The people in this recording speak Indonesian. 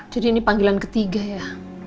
jadi ini panggilan ketiga ya